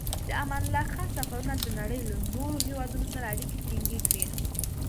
د امان الله خان سفرونو د نړۍ له نورو هېوادونو سره اړیکې ټینګې کړې.